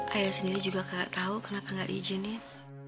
ayah sendiri juga kagak tau kenapa gak di izinin